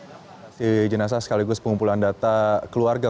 terima kasih jenazah sekaligus pengumpulan data keluarga